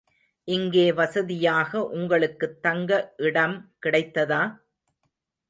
இங்கே வசதியாக உங்களுக்குத் தங்க இடம் கிடைத்ததா?